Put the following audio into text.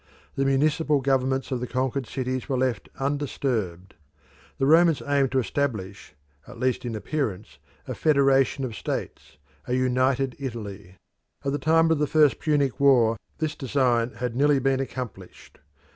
The municipal governments of the conquered cities were left undisturbed. The Romans aimed to establish, at least in appearance, a federation of states, a united Italy. At the time of the first Punic War this design had nearly been accomplished.